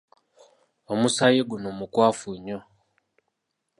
Omusaayi guno mukwafu nnyo.